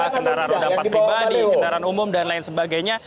kendara kendara empat pribadi kendaraan umum dan lain sebagainya